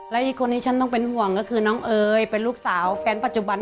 และอีกคนที่ฉันต้องเป็นห่วงก็คือน้องเอ๋ยเป็นลูกสาวแฟนปัจจุบัน